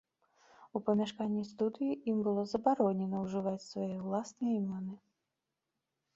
У памяшканні студыі ім было забаронена ўжываць свае ўласныя імёны.